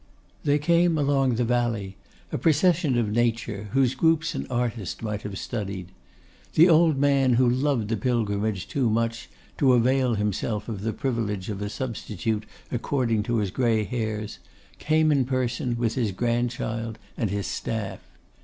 They came along the valley, a procession of Nature, whose groups an artist might have studied. The old man, who loved the pilgrimage too much to avail himself of the privilege of a substitute accorded to his grey hairs, came in person with his grandchild and his staff.